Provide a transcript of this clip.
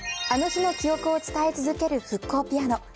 あの日の記憶を伝え続ける復興ピアノ。